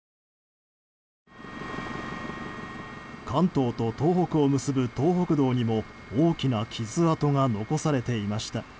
関東と東北を結ぶ東北道にも大きな傷痕が残されていました。